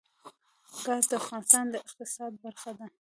ګاز د افغانستان د اقتصاد برخه ده.